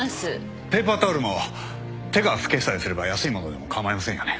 ペーパータオルも手が拭けさえすれば安いものでも構いませんよね？